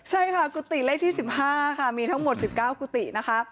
ใช่ค่ะกุฏิเลขที่๑๕ค่ะมีทั้งหมด๑๙กุฏินะคะ